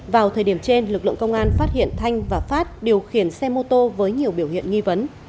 vào thời điểm trên lực lượng công an phát hiện thanh và phát điều khiển xe mô tô với nhiều biểu hiện nghi vấn